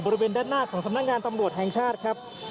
บริเวณด้านหน้าของสำนักงานตำรวจแห่งชาติครับ